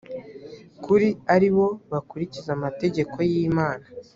kuri ari bo bakurikiza amategeko y imana